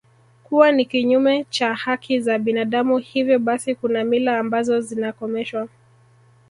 kuwa ni kinyume cha haki za binadamu hivyo basi kuna mila ambazo zinakomeshwa